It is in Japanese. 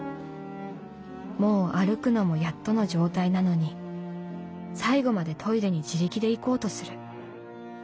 もう歩くのもやっとの状態なのに最期までトイレに自力で行こうとする。